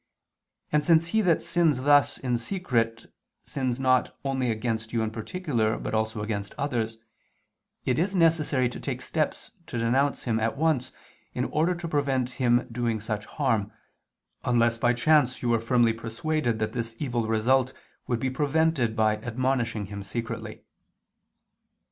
And since he that sins thus in secret, sins not only against you in particular, but also against others, it is necessary to take steps to denounce him at once, in order to prevent him doing such harm, unless by chance you were firmly persuaded that this evil result would be prevented by admonishing him secretly.